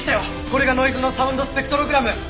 これがノイズのサウンドスペクトログラム！